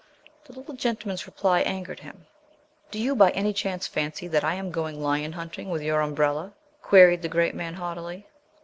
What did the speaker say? The little gentleman's reply angered him. "Do you by any chance fancy that I am going lion hunting with your umbrella?" queried the great man haughtily.